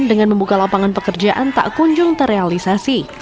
dengan membuka lapangan pekerjaan tak kunjung terrealisasi